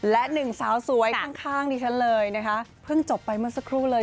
และหนึ่งสาวสวยข้างดิฉันเลยนะคะเพิ่งจบไปเมื่อสักครู่เลย